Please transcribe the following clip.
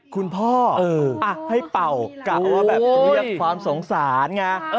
คุณพ่อให้เป่ากลับไปเรียกความสงสาร